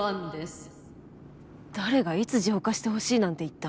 誰がいつ浄化してほしいなんて言った？